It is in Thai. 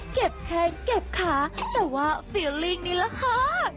เก็บแทงเก็บขาแต่ว่าฟิลลิ่งนี้ละครับ